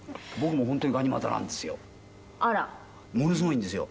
ものスゴいんですよ。